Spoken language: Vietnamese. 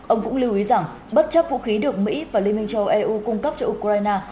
ông cũng lưu ý rằng bất chấp vũ khí được mỹ và liên minh châu eu cung cấp cho ukraine